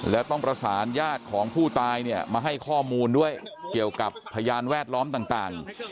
แล้วต้องประสานญาติของผู้ตายเนี่ยมาให้ข้อมูลด้วยเกี่ยวกับพยานแวดล้อมต่าง